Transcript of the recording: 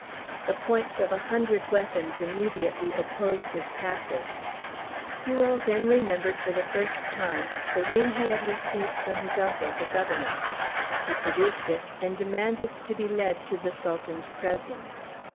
The points of a hundred weapons immediately opposed his passage. Huon then remembered for the first time the ring he had received from his uncle, the Governor. He produced it, and demanded to be led to the Sultan's presence.